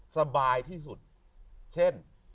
สบายที่สุดเช่น